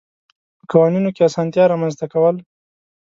په قوانینو کې اسانتیات رامنځته کول.